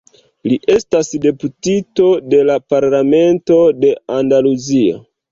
Li estas deputito de la Parlamento de Andaluzio.